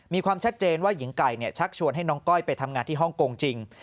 มีความชัดเจนว่าหญิงไก่ชักชวนให้น้องก้อยไปทำงานที่ฮ่องกงจริง